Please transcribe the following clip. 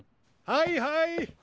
はいはい。